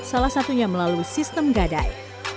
salah satunya melalui sistem gadai